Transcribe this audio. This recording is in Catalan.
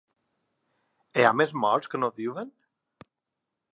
Hi ha més morts que no diuen?